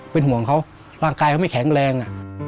เป็นห่วงเขาร่างกายเขาไม่แข็งแรง